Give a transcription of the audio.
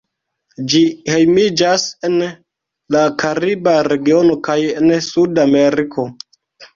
Ĝi hejmiĝas en la kariba regiono kaj en Sudameriko.